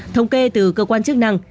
thông kê từ cơ quan chức năng